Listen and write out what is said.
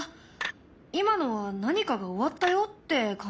今のは何かが終わったよって感じがしたね。